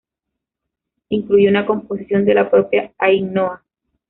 Incluye una composición de la propia Ainhoa.